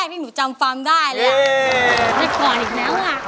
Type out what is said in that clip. ขอให้โลกเฉินแหละนะ